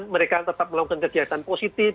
mereka tetap melakukan kegiatan positif